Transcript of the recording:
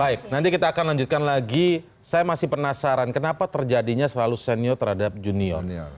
baik nanti kita akan lanjutkan lagi saya masih penasaran kenapa terjadinya selalu senior terhadap junior